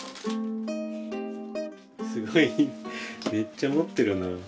すごいめっちゃ持ってるな。